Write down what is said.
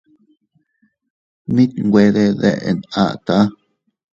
Mit nwe de deʼn ata.